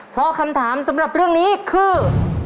เพราะคำถามสำหรับเรื่องนี้คือ